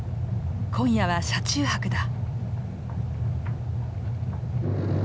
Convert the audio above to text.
今夜は車中泊だ。